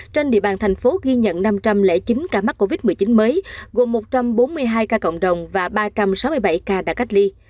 trên địa bàn thành phố ghi nhận năm trăm linh chín ca mắc covid một mươi chín mới gồm một trăm bốn mươi hai ca cộng đồng và ba trăm sáu mươi bảy ca đã cách ly